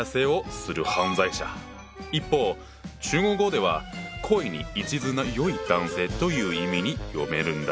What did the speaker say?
一方中国語では「恋に一途な良い男性」という意味に読めるんだ。